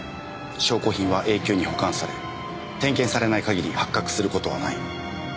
証拠品は永久に保管され点検されない限り発覚する事はない。